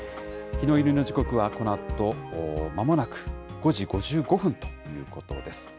日の入りの時刻はこのあとまもなく５時５５分ということです。